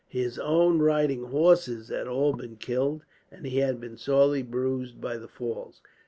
His own riding horses had all been killed, and he had been sorely bruised by the falls.